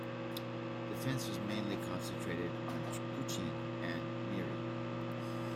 Defence was mainly concentrated on Kuching and Miri.